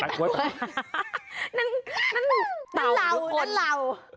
นั่นเวลา